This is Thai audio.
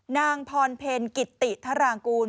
๙นางพรเพ็ญกิตติทรางกูล